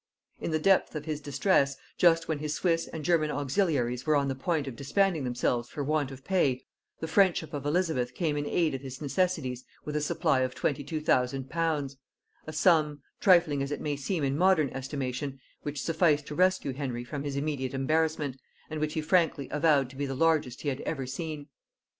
In the depth of his distress, just when his Swiss and German auxiliaries were on the point of disbanding themselves for want of pay, the friendship of Elizabeth came in aid of his necessities with a supply of twenty two thousand pounds; a sum, trifling as it may seem in modern estimation, which sufficed to rescue Henry from his immediate embarrassment, and which he frankly avowed to be the largest he had ever seen.